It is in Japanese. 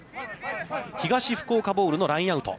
東福岡ボールのラインアウト。